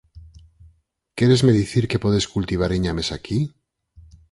Quéresme dicir que podes cultivar iñames aquí?